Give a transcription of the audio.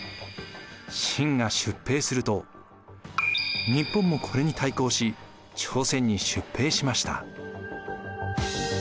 清が出兵すると日本もこれに対抗し朝鮮に出兵しました。